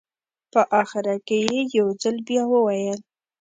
په اخره کې یې یو ځل بیا وویل.